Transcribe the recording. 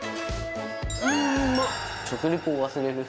うーん、うまっ。